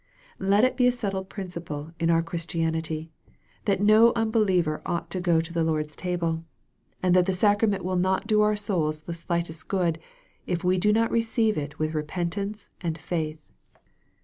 Let it be a settled principle in our Christianity, that no unbeliever ought to go to the Lord's table, and that MARK, CHAP. XIV. 311 the sacrament will not do our souls the slightest good, if we do not receive it with repentance and faith.